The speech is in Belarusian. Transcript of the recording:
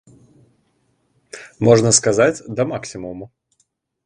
Можна сказаць, да максімуму.